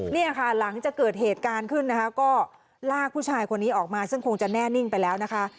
เนี่ยค่ะหลังจากเกิดเหตุการณ์ขึ้นนะคะก็ลากผู้ชายคนนี้ออกมาซึ่งคงจะแน่นิ่งไปแล้วนะคะ